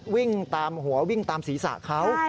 วิ่งตามหัววิ่งตามศีรษะเขา